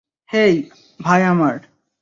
হেই, ভাই আমার।